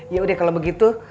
ya udah kalau begitu